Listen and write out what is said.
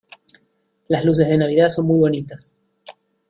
Las luces de navidad son muy bonitas.